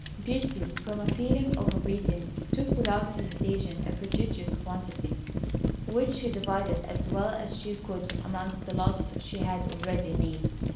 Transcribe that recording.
Beauty, from a feeling of obedience, took without hesitation, a prodigious quantity, which she divided as well as she could amongst the lots she had already made.